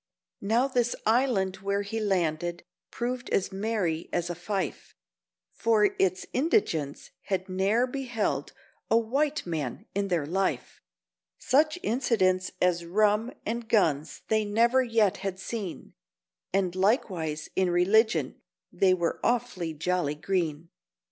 Now this island where he landed proved as merry as a fife, For its indigents had ne'er beheld a white man in their life; Such incidents as rum and guns they never yet had seen, And likewise, in religion, they were awful jolly green.